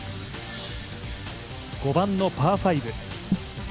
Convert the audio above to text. ５番のパー５。